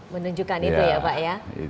menunjukkan itu ya pak ya